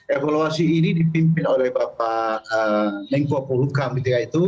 evaluasi ini dipimpin oleh bapak lengko puhuka ketika itu